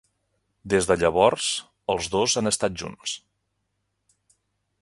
Des de llavors, els dos han estat junts.